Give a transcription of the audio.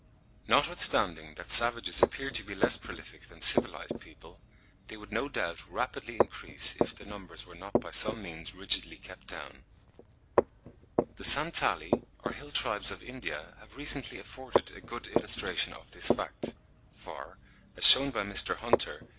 Notwithstanding that savages appear to be less prolific than civilised people, they would no doubt rapidly increase if their numbers were not by some means rigidly kept down. The Santali, or hill tribes of India, have recently afforded a good illustration of this fact; for, as shewn by Mr. Hunter (60. 'The Annals of Rural Bengal,' by W.W. Hunter, 1868, p.